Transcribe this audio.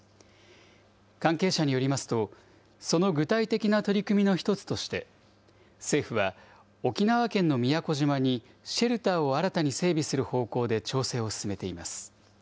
関係者によりますと、その具体的な取り組みの一つとして、政府は、沖縄県の宮古島にシェルターを新たに整備する方向で調整を進めています。